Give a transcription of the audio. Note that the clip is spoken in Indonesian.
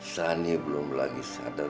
sani belum lagi sadar